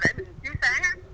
để mình chiếu sáng